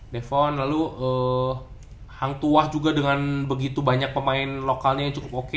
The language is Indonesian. devon lalu hang tuah juga dengan begitu banyak pemain lokalnya yang cukup oke